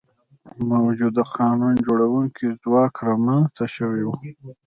د موجوده قانون جوړوونکي ځواک رامنځته شوي وي.